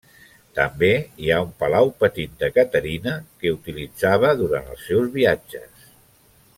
També hi ha un palau petit de Caterina que utilitzava durant els seus viatges.